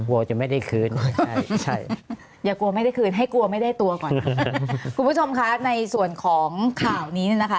กลัวจะไม่ได้คืนใช่คุณผู้ชมค่ะในส่วนของข่าวนี้นะคะ